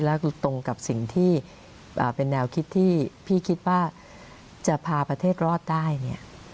แล้วก็ตรงกับสิ่งที่เป็นแนวคิดที่พี่คิดว่าจะพาประเทศรอดได้เนี่ย